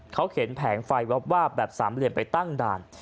เขาเข็นแผงไฟวาบแบบสามเหลี่ยมไปตั้งด่าน